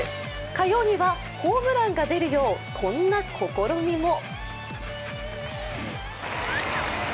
火曜にはホームランが出るようこんな試みも。